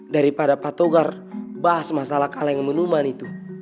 daripada pak togar bahas masalah kaleng menuman itu